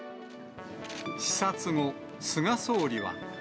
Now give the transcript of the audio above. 視察後、菅総理は。